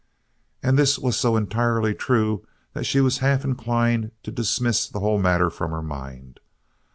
And this was so entirely true that she was half inclined to dismiss the whole matter from her mind.